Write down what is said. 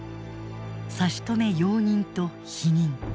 差し止め容認と否認。